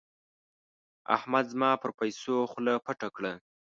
احمد زما پر پيسو خوله پټه کړه.